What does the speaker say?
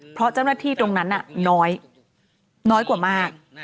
เพราะเจ้าหน้าที่ตรงนั้นน้อยน้อยกว่ามาก